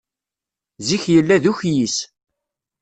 Zik yella d ukyis.